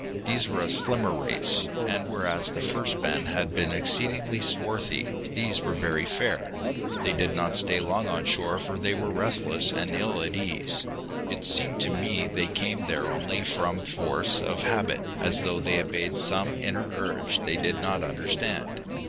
These were a slimmer race, and whereas the first band had been exceedingly swarthy, these were very fair. They did not stay long on shore, for they were restless and ill at ease. It seemed to me they came there only from force of habit, as though they obeyed some inner urge they did not understand.